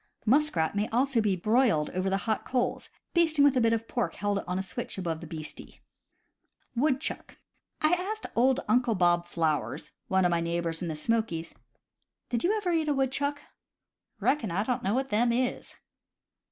Muskrat may also be broiled over the hot coals, basting with a bit of pork held on a switch above the beastie. Woodchuck. — I asked old Uncle Bob Flowers, one of my neighbors in the Smokies: "Did you ever eat a woodchuck ?" "Reckon I don't know what them is."